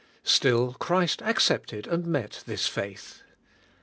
Still Christ accepted and met this faith.